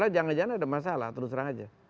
jangan jangan ada masalah terus terang aja